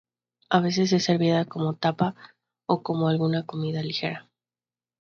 A veces es servida como tapa o como una comida ligera.